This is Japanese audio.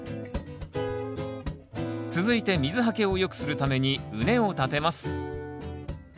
続いて水はけを良くするために畝を立てます。